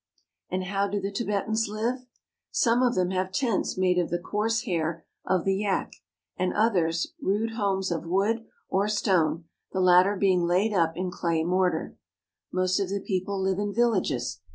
And how do the Tibetans live ? Some of them have tents made of the coarse hair of the yak, and others rude homes of wood or stone, the latter being laid up in ,,,.,,.— they have high hats —" clay mortar. Most of the people live in villages.